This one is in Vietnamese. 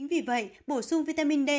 vì vậy bổ sung vitamin d